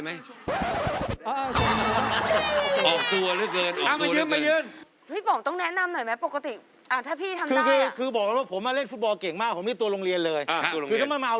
ไอ้กิ๊บมองตรงนู้นนะ